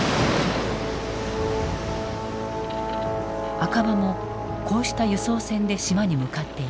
赤羽もこうした輸送船で島に向かっていた。